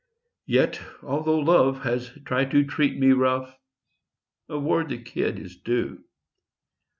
Yet although Love has tried to treat Me rough, award the kid his due.